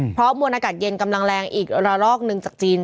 เพราะมวลอากาศเย็นกำลังแรงอีกระลอกหนึ่งจากจีน